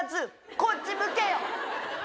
こっち向けよ！